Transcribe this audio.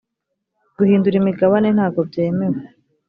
guhindura imigabane ntago byemewe